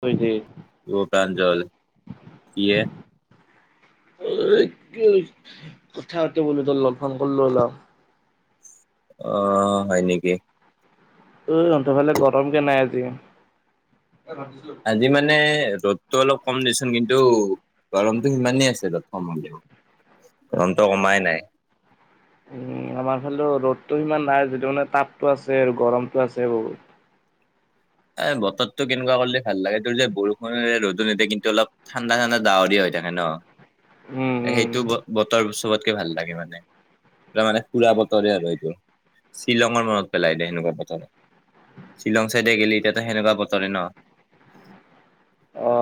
হয় দে। কানজল কিয়ে। কি কথাতে ব তলল ফোন কৰিলো অলপ। আহ হয় নেকি? অ অধ ফালে গৰম কেনে আজি? আজি মানে ৰ'তটো অলপ কম দিচোন কিন্তু গৰমতটো সিমানেই আছে ত'ত কম হ'লে। ৰনটো কমাই নাই। উম আমাৰ ফালেো ৰ'দতটো ইমান নাই যটো মানে পতটো আছে আৰু গৰমতটো আছে বহুত। এ বতৰতো কেনেকুৱা কৰিলে ভাল লাগে তোৰ যে বৰষুণৰে ৰ'দো নিদে কিন্তু অলপ ঠাণ্ডা ঠাণ্ডা ডাৱৰিয়া হয়। থাকে ন উম উম সেইটো বতৰ চবতকে ভাল লাগে মানে। ত মানে পুৰা বতৰে আৰু এইটোৰ শ্বিলঙৰ মনত পেলাই দে সেনেকুৱা বতৰে। শ্বিলং চাইডে গেলি। এতিয়াো সেনেকুৱা বতৰে ন। অ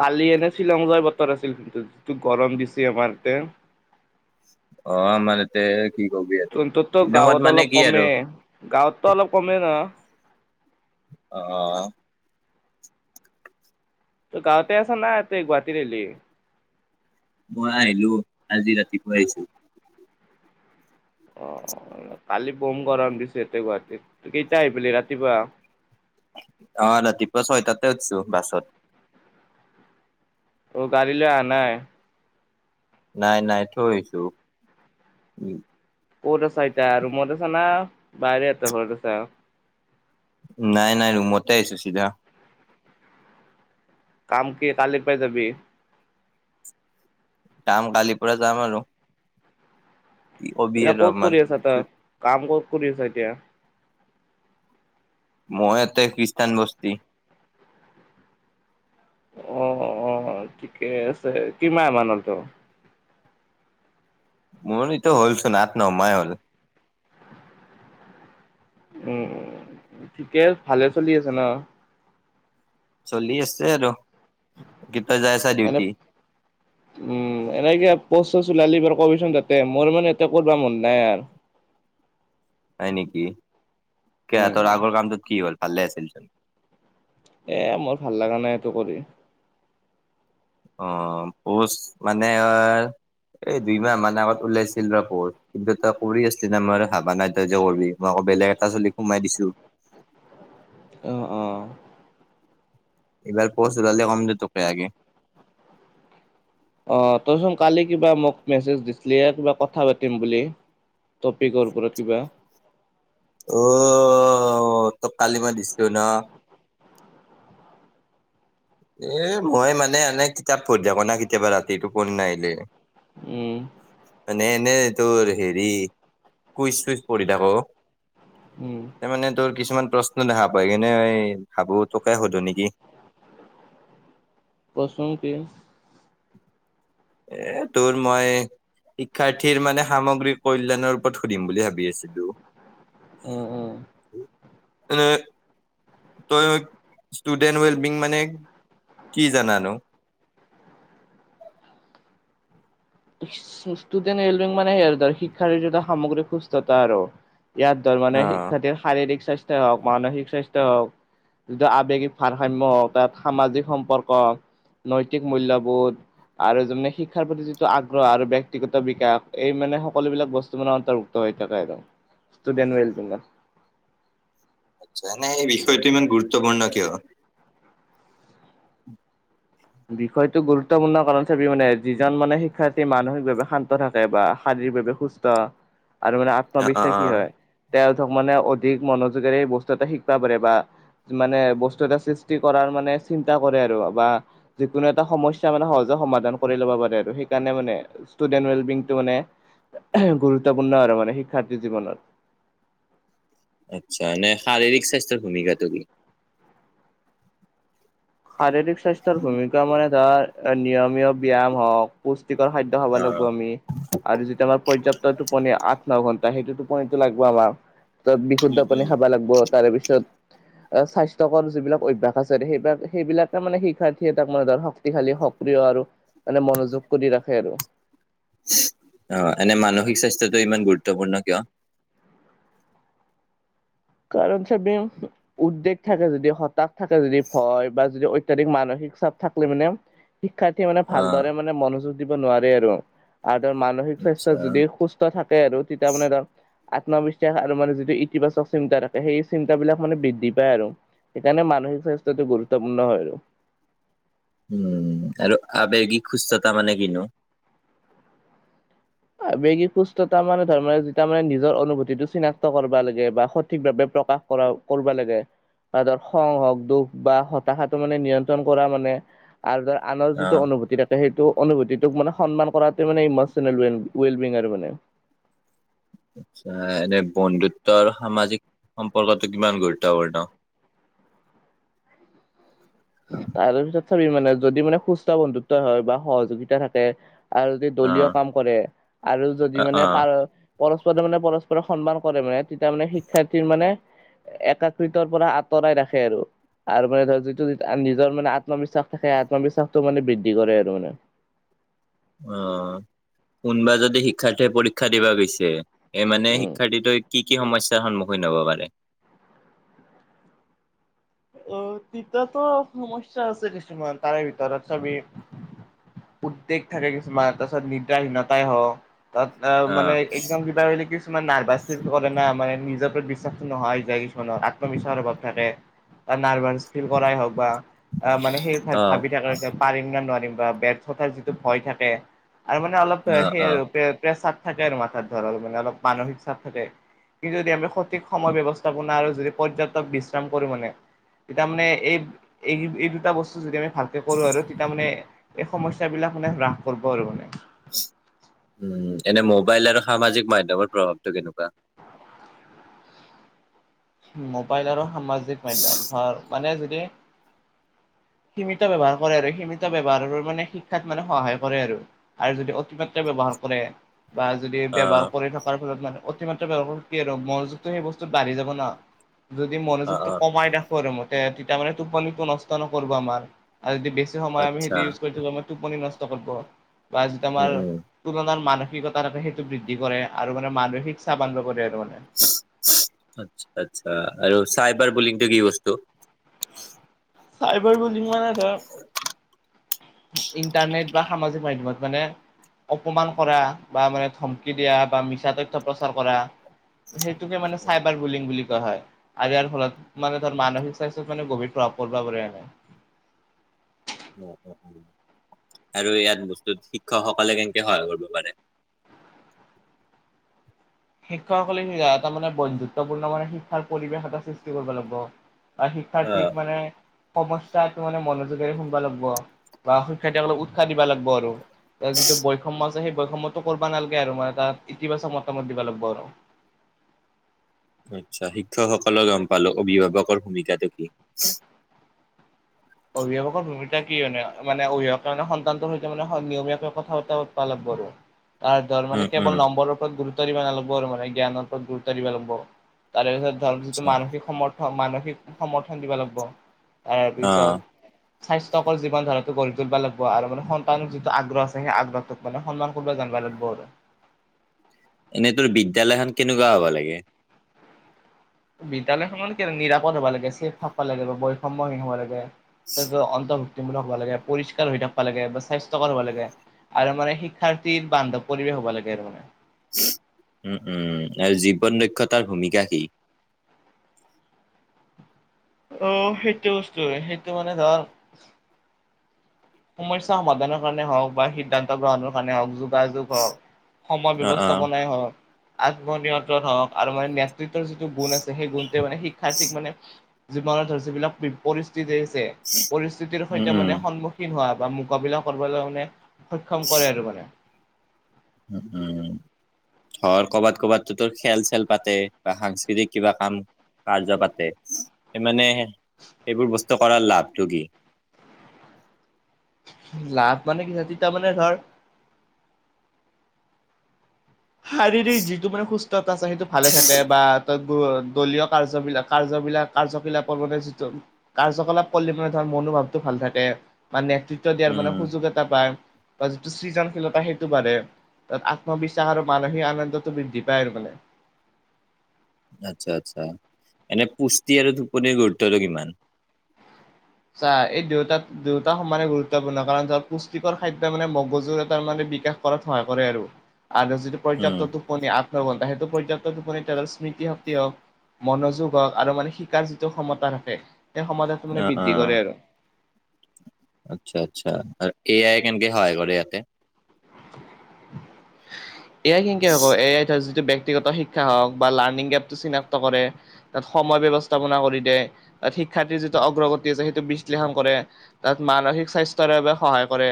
কালি এনে শ্বিলং যোৱাৰ বতৰ আছিল কিন্তু যিটো গৰম দিছে আমাৰ ইতে। অ মানে তে। কি কবি ত আৰু ত ত শ্বিলঙত গাঁৱত অলপ আৰু কমে গাঁৱতত অলপ কম ন। অহ। ত গাঁৱতে আছছে নাই ত গুৱাহাটীৰৰে। মই আহিলো আজি ৰাতিপুৱা আহিছো। অ কালি বম গৰম দিছে এতে গুৱাহাটীত ত কেইটায়া আহি পি ৰাতিপুৱা। অহ ৰাতিপুৱা ছয়টাতে উঠিছো বাছত। অ গাালীলৈ আহ নাই। নাই নাই থৈছো উ। ক'ত আছা এতয়া আৰুৰুমত আছা না বাহৰে এতে ঘৰত আছা। নাই নাই ৰুমতে আহিছো চিধা। কাম কি কাল পাইজাবি। কাম কালিপুৰা যাম আৰু। কি কবি এতিয়া আৰু ক'ত আমাৰ কৰি আছা তই কাম ক'ত কৰি আছ এতিয়া। মইয়তে খ্ৰীষ্টান বস্তি। অ অ ঠিকে আছে কিমাহ মমানৰ তো। মোৰটোো হ'লচোন নাত নহমাই হ'ল। উম ঠিকে ভালে চলি আছে ন। চলি আছে আৰু। কেতিয়া যাই আছা এনে ডিউটি উম এনেকে পচো লালি ব। কবিচোন তাতে মোৰ মানে এটা কৰিবা মন নাই আৰ। হয় নেকি উম, তোৰ আগৰ কামটোত কি হ'ল ভালে আছিলচোন। এ মোৰ ভাল লগা নাই এইটো কৰি। অ পোচ মানে অ। এই দুই মাহ মান আগত ওলাইছিল ৰপ কিন্তু তই কৰি আছিলি ন মই হাবা নাই তই যে কৰবি মই ক। বেলেগ এটা চলী সোমাই দিছো। অহ অহ। এইবাৰ পচ ওলালে কমজ তোকে আগে। অ তইচোন কালি কিবা মোক মেছেজ দিছিলি কিবা কথা পাতিম বুলি। টপিকৰ পৰা কিবা। অ ত কালি মই দিছটো ন। এ মই মানে এনে কিতাপ পঢ়ি থাক ন কেতিয়াবা ৰাতিটো পঢ়ি নাহিলে। উম। নে নে তোৰ হেৰি কুইচ চুইচ পঢ়ি থাকৌ। উম। মানে তই। কিছুমান প্ৰশ্ন দেখা পাই কিনে ভাবো তোকে সুধো নেকি। পচংতে। এ তোৰ মই শিক্ষাৰ্থীৰ মানে সামগ্ৰী কল্যাণৰ ওপৰত সুধিম বুলি ভাবি আছিলো। উম উম। এ তই ষ্টুডেণ্ট ৱেলবিং মানে কি জানানো? [unintelligible] ষ্টুডেণ্ট ৱেলবিং মানে ধৰ শিক্ষাৰ যিটো সামগ্ৰীক সুস্থতা আৰু। ইয়াত ধৰ মানে অ' শিক্ষাৰ্থীৰ শাৰীৰিক স্বাস্থ্য হওক, মানসিক স্বাস্থ্য হওক, যিটো আবেগিক ভাৰসাম্য হওক, তাত সামাজিক সম্পৰ্ক নৈতিক মূল্যবোধ আৰু শিক্ষাৰ প্ৰতি যি আগ্ৰহ আৰু ব্যক্তিগত বিকাশ, এই মানে সকলোবিলাক বস্তু মানে অন্তৰ্ভুক্ত হৈ থাকে আৰু। ষ্টুডেণ্ট ৱেলবিং ত। আচা নে, এই বিষয়টো ইমান গুৰুত্বপূৰ্ণ কিয়? বিষয়টো গুৰুত্বপূৰ্ণ, কাৰণ চাবি মানে যিজন মানে শিক্ষাৰ্থী মানসিকভাৱে শান্ত থাকে বা শা - শভ সুস্থ আৰু মানে অ' অ' আত্মবিশ্বাসি অ'। হয়, তেওঁ ধৰক মানে অধিক মনোযোগেৰে এই বস্তু এটা শিকিবা পাৰে বা মানে বস্তু এটা সৃষ্টি কৰাৰ মানে চিন্তা কৰে আৰু বা যিকোনো এটা সমস্যা মানে সহজে সমাধান কৰি ল'ব পাৰে আৰু সেইকাৰণে মানে ষ্টুডেন্ট ৱেলবিংটো মানে গুৰুত্বপূৰ্ণ আৰু মানে শিক্ষাৰ্থী জীৱনত। আচ্ছা মানে শাৰীৰিক স্বাস্থ্যৰ ভূমিকাটো কি? শাৰীৰিক স্বাস্থ্যৰ ভূমিকা মানে ধৰ নিয়মীয়া ব্যাম হওক, পু- ষ্টিকৰ খাদ্য খাব অ' লাগব আমি আৰু যিটো আমাৰ পৰ্যাপ্ত টোপনি আঠ ন ঘন্টা সেইটোতো লাগব আমাৰ, ত বিশুদ্ধ পানী খাব লাগিব। তাৰে পিছত স্বাস্থ্যকৰ যিবিলাক অভ্যাস আছে সেইবিলাক সেইবিলাকে মানে শিক্ষাৰ্থীয়ে তাক মানে ধৰ শক্তিশালী সক্ৰিয় আৰু মানে মনযোগ কৰি ৰাখে আৰু। টোতো ইমান গুৰুত্বপূৰ্ণ কিয়? কাৰণ চবে উদ্বেগ থাকে যদি হতাশ থাকে যদি ভয় বা যদি অত্যাধিক মানসিক শিক্ষাত থাকিলে মানে, শিক্ষাৰ্থীয়ে মানে অ ভালদৰে মানে মনোযোগ দিব নোৱাৰে আৰু। আৰু ত মানসিক স্বাস্থ্য আচ্ছা যদি সুস্থ থাকে আৰু তেতিয়া মানে ধৰ আত্মবিশ্বাস আৰু মানে যিটো ইতিবাচক চিন্তা থাকে, সেই চিন্তাবিলাক মানে বৃদ্ধি পায় আৰু সেইকাৰণে মানসিক স্বাস্থ্যটো গুৰুত্বপূৰ্ণ হয় আৰু। উম আৰু আৱেগিক সুস্থতা মানে কিনো? আৱেগিক সুস্থতা মানে ধৰ মানে নিজৰ অনুভূতিটো চিনাক্ত কৰিব লাগে বা সঠিকভাৱে প্ৰকাশ কৰা কৰিব লাগে। ত ধৰ খং হক দুখ বা হতাশাটো মানে নিয়ন্ত্ৰণ কৰা মানে, আৰু ধৰ আনৰ অ যিটো অনুভূতি থাকে, সেইটো অনুভূতিটোক মানে সন্মান কৰাটো মানে ইমচনেল ৱেলবিং ৱেলবিং আৰু মানে। আচ্ছা এনে বন্ধুত্ব আৰু সামাজিক সম্পৰ্কটো কিমান গুৰুত্বপূৰ্ণ? [unintelligible] তাৰপিছত চাবি মানে যদি মানে সুস্থ বন্ধুত্ব হয় বা সহযোগিতা থাকে, আৰু যদি অ দলীয় কাম কৰে আৰু যদি অ মানে অ পাৰ পৰস্পৰে মানে পৰস্পৰক সন্মান কৰে, মানে তেতিয়া মানে শিক্ষাৰ্থীৰ মানে একাকৃতৰ পৰা আঁতৰাই ৰাখে আৰু আৰু মানে ধৰ যিটো নিজৰ মানে আত্মবিশ্বাস থাকে, আত্মবিশ্বাসটো মানে বৃদ্ধি কৰে আৰু মানে। অহ কোনোবা যদি শিক্ষাৰ্থীয়ে পৰীক্ষা দিবা গৈছে, এ মানে উম। শিক্ষাৰ্থীটো কি কি সমস্যাৰ সন্মুখীন হ'ব পাৰে? অ তেতিয়াটো সমস্যা আছে কিছুমান তাৰে ভিতৰত চবে উদ্বেগ থাকে, কিছুমান তাৰ পিছত নিদ্ৰাহীনতাই হওক, তাত অ মানে এক্সাম কটালে কি কিছুমান নাৰ্ভাচ ফিল কৰে ন, মানে নিজৰ ওপৰত বিশ্বাস নহয় হৈ য কিছুমানৰ, আত্মবিশ্বাসৰ অভাৱ থাকে। নাৰ্ভাচ ফিল কৰাই হওক বা অ মানে সেই অ ভাবি থাকে পাৰিম নে নোৱাৰিম। যি ভয় থাকে আৰু মানে অলপ অ অ প্ৰ থাকে আৰু মথাত ধৰৰ মানে অলপ মানসিক চাপ থাকে কিন্তু যদি আমি সঠিক সময় ব্যৱস্থাপনা আৰু যদি পৰ্যটক বিশ্ৰাম কৰো মানে তেতিয়া মানে এই এই এই দুটা বস্তু যদি আমি ভালকে কৰো আৰু তেতিয়া মানে এই সমস্যা বিলাক মানে হ্ৰাস কৰিব আৰু মানে [unintelligible] উম এনে মোবাইল আৰু সামাজিক মাধ্যমৰ প্ৰভাৱটো কেনেকুৱা? মোবাইল আৰু সামাজিক মাধ্যম ধৰ মানে যদি [inaudible] সীমিত ব্যৱহাৰ কৰে আৰু সীমিত ব্যৱহাৰৰ মানে শিক্ষাত মানে সহায় কৰে আৰু যদি অতিমাত্ৰা ব্যৱহাৰ কোনে বা যদি অ ব্যৱহাৰ কৰি থকাৰ ফলত মানে অতিমাত্ৰা ব্যৱহাৰ কি আৰু মনযুগতো সেই বস্তুত বাঢ়ি যাব ন যদি অ মনোযোগটো অ কমাই দেখো ৰে মতে তেতিয়া মানে টোপনিটো নষ্ট নকৰব আমাৰ আৰু যদি বেছি সময় আমি সেইটো আচ্ছা ইউজ কৰি থাকো আমাৰ টোপনি নষ্ট কৰিব বা যিটো উম আমাৰ উম তুলনাৰ মানসিকতা থাকে সেইটো বৃদ্ধি কৰে আৰু মানে মানসিক চাবান কৰে আতছা [unintelligible] আচ্ছা আৰু চাইবাৰ বুলিংটো কি বস্তু চাইবাৰ বুলিংমানে [unintelligible] ইণ্টাৰনেট বা সামাজিক মাধ্যমত মানে অপমান কৰা বা মানে ধমকি দিয়া বা মিছা তথ্য প্ৰচাৰ কৰা সেইটোকে মানে চাইবাৰ বুলিং বুলি কোৱা হয় আৰু ইয়াৰ ফলত মানে ধৰ মানসিক স্বাস্থ্য মানে গভীৰ প্ৰভাৱ [unintelligible] উম উম উম আৰু ইয়াত বস্তুত শিক্ষকসকলে কেনেকে সহায় কৰিব পাৰে শিক্ষকসকলে এটা মানে বন্ধুত্বপূৰ্ণ মানে শিক্ষাৰ পৰিৱেশ এটা সৃষ্টি কৰিব লাগিব আৰু শিক্ষাথীক আহ মানে সমস্যা টো মানে মনোযোগেৰে শুনবা লাগিব বা শিক্ষয়িত্ৰীৰ সকলক উৎসাহ দিবা লাগিব আৰু তাৰ যিটো বৈষম্য আছে সেই বৈষম্য টো কৰিব নালাগে আৰু মানে তাৰ ইতিবাচক মতামত দিব লাগে বৰ আচ্ছা শিক্ষকসকলক গম পালোঁ অভিভাৱকৰ ভূমিকাটো কি অভিভাৱকৰ ভূমিকা কি মানে মানে অভিভাৱকে মানে সন্তানটোৰ সৈতে মানে নিয়মীয়াকৈ কথা বতৰা পাতা তাৰ ধৰ উম মানে উম কেৱল নম্বৰৰ ওপৰত গুৰুত্ব গুৰুত্ব দিব নালাগিব আৰু মানে জ্ঞানৰ ওপৰত গুৰুত্ব দিব লাগিব তাৰে পিছত ধৰক যিটো আচ্ছা মানসিক সম্পৰ্ক মানসিক সমৰ্থন দিব লাগিব অ তাৰপিছত স্বাস্থ্যকৰ জীৱন ধৰাটো গঢ়ি তুলিব লাগিব আৰু মানে সন্তানৰ যিটো আগ্ৰহ আছে সেই আগ্ৰটোক মানে সন্মান কৰিব জান মানুহ বোৰ এনে তোৰ বিদ্যালয়খন কেনেকুৱা হব লাগে?? বিদ্যালয়খনত কে নিৰাপদ হব লাগে চেফ থাকব লাগে বা বৈষম্যহীন হ'ব লাগে তাছত অন্তৰ্ভুক্তিমূলক হব লাগে পৰিষ্কাৰ হৈ থাকিবা লাগে বা স্বাস্থ্যকৰ হব লাগে আৰু মানে শিক্ষাৰ্থীৰ বান্ধৱ পৰিৱেশ হ'ব লাগে আৰু মানে উম উম আৰু জীৱন দক্ষতাৰ ভূমিকা কি? আহ সেইটো বস্তুৱে সেইটো মানে ধৰ সমস্যা সমাধানৰ কাৰণে হওক বা সিদ্ধান্ত গ্ৰহণৰ কাৰণে হওক যোগাযোগ হক সময় অ অ ব্যৱস্থাপনাই হওক। আত্মনিয়ন্ত্ৰণ হওক আৰু মানে নেতৃত্বৰ যিটো গুণ আছে সেই গুণটোৱে মানে শিক্ষাৰ্থীক মানে। জীৱনত ধৰ যিবিলাক পৰিস্থিতি আহিছে পৰিস্থিতিৰ উম সৈতে উম মানে সন্মুখীন। হোৱা বা মোকাবিলা কৰিবলৈ মানে সক্ষম কৰে আৰু মানে। উ উম। ধৰ কৰ'বাত ক'বাত তোৰ খেল চেল পাতে বা সাংস্কৃতিক কিবা কাম। কাৰ্য পাতে সি মানে। এইবোৰ বস্তু কৰাৰ লাভ টো কি? লাভ মানে কি হেতি তাৰমানে ধৰ শাৰীৰিক যিটো মানে সুস্থতা আছে সেইটো ভালে থাকে বা ত দলীয় কাৰ্যবিলাক কাৰ্য। বিলাগ কাৰ্যকিলাপ পৰ মানে যিটো কাৰ্যকলাপ কৰিলে মানে ধ মনোভাৱটো ভাল থাকে মানে। দিয়াৰ মানে উম সুযোগ এটা পায় বা যিটো সৃজনশীলতা সেইটো বাঢ়ে তাত আত্মবিশ্বাস। [inaudible] আৰু মানসিক আনন্দতটো বৃদ্ধি পায় আৰু মানে। আচ্ছা আচ্ছা এনে পুষ্টি আৰু টোপনিৰ গুৰুত্বটো কিমান? চাহ এই দুয়তাত দুয়ত সমানে গুৰুত্বপূৰ্ণ কাৰণ ধৰ পুষ্টিকৰ খাদ্য মানে মগজুৰ এ তাৰ মানে। বিকাশ কৰাত সহায় কৰে আৰু আৰু যিটো পৰ্যাপ্ত উম টোপনি আঠ ন ঘন্টা সেইটো। পৰ্যাপ্ত টোপনিৰ স্মৃতিশক্তি হওক মনোযোগ হওক আৰু মানে শিকাৰ যিটো ক্ষমতা থাকে এ সমাধানটো মানে অ বৃদ্ধি অ কৰে আৰু। আচ্ছা আচ্ছা এ আই কেনেকে হয় কৰে ইয়াতে? এয়াই কেনেকে হব এয়াই ব্যক্তিগত শিক্ষা হওক বা লাৰ্ণিং এপটো চিনাক্ত কৰে, তাত সময় ব্যৱস্থাপনা কৰি দে। তাত শিক্ষাৰ্থীৰ যিটো অগ্ৰগতি আছে সেইটো বিশ্লেষণ কৰে তাত মানসিক স্বাস্থ্যৰ বাবে সহায় কৰে।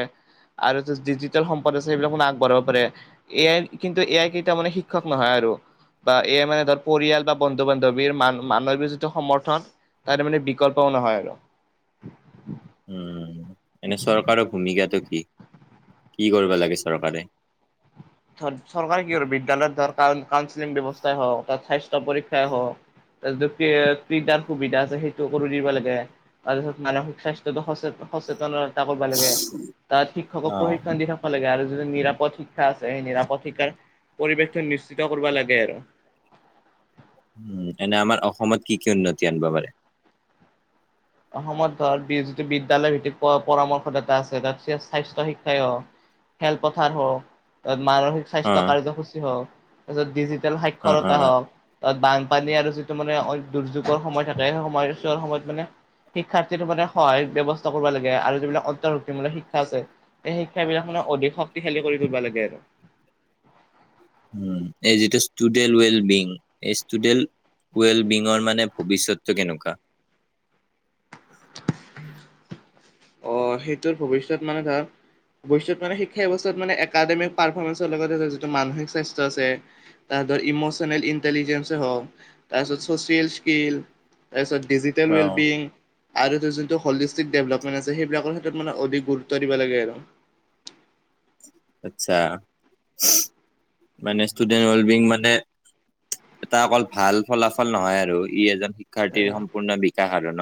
আৰু ডিজিটেল সম্প পদ হৈছে সবিলাক আগবঢ়াব পাৰে, এ আই কিন্তু এ আই কেইটা মানে শিক্ষক নহয় আৰু বা এ আই মানে ধৰ পৰিয়াল বা বন্ধু বান্ধৱীৰ মান মানৱ যিটো সমৰ্থন তাৰে মানে বিকল্প। নহয় আৰু উম এনে চৰকাৰৰ ভূমিকাটো কি? কি কৰিব লাগে চৰকাৰে? চৰকাৰে কি কৰে বিদ্যালয়ত ধৰ কাৰ কউঞ্চিলিং ব্যৱস্থাই হওক ত স্বাস্থ্য পৰীক্ষাই হওক তাৰপিছত প্ৰিন্টাৰ সুবিধা আছে সেইটো কৰি দিব লাগে, তাৰপিছত মানসিক স্বাস্থ্যটো সচেত। সচেতনতা কৰিব লাগে, তাত শিক্ষকক অ', প্ৰশিক্ষণ দি থাকব লাগে আৰু যিটো নিৰাপদ শিক্ষা আছে। স নিৰাপতক্ষিকাৰ পৰিৱেশটো নিশ্চিত কৰিব লাগে আৰু। উম এনে আমাৰ অসমত কি কি উন্নতি আনিব পাৰে? অসমত ধৰ যিটো বিদ্যলয়ৰ ভিত্তিত পৰামৰ্শদাতা আছে তাত সেই স্বাস্থ্য শিক্ষাই। খেলপথাৰ হওক মানসিক স্বাস্থ্য অ', কাৰ্যসূচী হওক তাৰপিছত ডিজিটেল অ', সাক্ষৰতা অ', হওক বানপানী আৰু যিটো মানে দুৰ্যোগৰ সময় থাকে সেই সময়ৰ চোৱা সময়ত মানে। শিক্ষাৰ্থী মানে সহায় ব্যৱস্থা কৰিব লাগে, আৰু যিবিলাক অন্তৰ্ভুক্তিমূলক শিক্ষা আছে এই শিক্ষাব বিলাক মানে। অধিক শক্তিশালী কৰি তুলিব লাগে। উম এই যিতো ষ্টুডেল ৱেল বিং এই ষ্টুডেল ৱেলবিঙৰ মানে ভৱিষ্যতটো কেনেকুৱা? অহ সেইটোৰ ভৱিষ্যত মানে ধাৰ। অৱশ্যত মানে শিক্ষা ব্যয়ৱস্থাত মানে একাডেমিক পাৰফমেঞ্চৰ লগতে যিটো মানসিক স্বাস্থ্য আছে তাত। ইমচনেল ইন্টেলিজেনচ হওক তাৰপিছত চিয়েল স্কীল তাৰপিছত। ডিজিটেল অ', ৱেলবিং আৰু যোনটো হলিষ্টিক দেভেলপ। মানে আছে সেইবিলাকৰ ক্ষেত্ৰত মানে অধিক গুৰুত্ব দিব লাগে আৰু। আচ্ছা মানে ষ্টুডেণ্ট ৱেল বিং মানে। এটা অকল ভাল ফলাফল নহয় আৰু ই এজন শিক্ষাৰ্থীৰ সম্পূৰ্ণ বিকাশ আৰু ন?